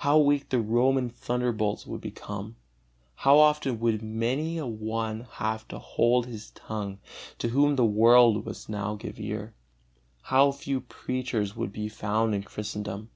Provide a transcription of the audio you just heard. How weak the Roman thunderbolts would become! How often would many a one have to hold his tongue, to whom the world must now give ear! How few preachers would be found in Christendom!